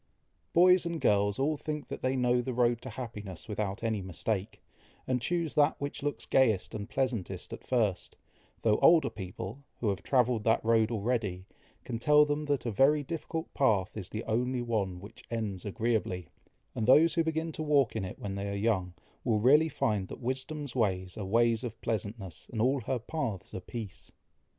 Boys and girls all think they know the road to happiness without any mistake, and choose that which looks gayest and pleasantest at first, though older people, who have travelled that road already, can tell them that a very difficult path is the only one which ends agreeably; and those who begin to walk in it when they are young, will really find that "wisdom's ways are ways of pleasantness, and all her paths are peace."